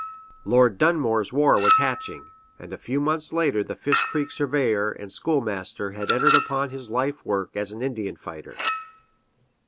Lord Dunmore's War was hatching, and a few months later the Fish Creek surveyor and schoolmaster had entered upon his life work as an Indian fighter.